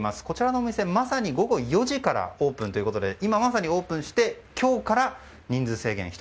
こちらの店、まさに午後４時からオープンということで今まさにオープンして今日から人数制限